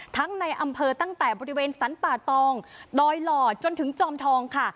ในอำเภอตั้งแต่บริเวณสรรป่าตองดอยหล่อจนถึงจอมทองค่ะ